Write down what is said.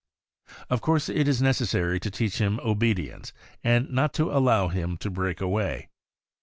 Of course it is necessary to teach him obedience and not to allow him to break away.